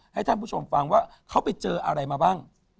ให้ท่านผู้ชมฟังว่าเขาไปเจออะไรมาบ้าง